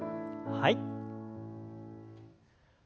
はい。